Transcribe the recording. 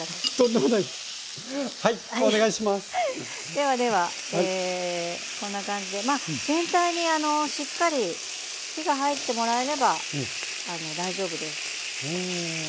ではではえこんな感じでまあ全体にしっかり火が入ってもらえれば大丈夫です。